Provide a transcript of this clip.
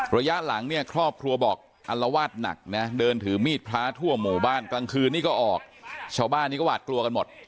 ระยะหลังเนี่ยครอบครัวบอกอัลวาดหนักนะเดินถือมีดพระทั่วหมู่บ้านกลางคืนนี้ก็ออกชาวบ้านนี้ก็หวาดกลัวกันหมด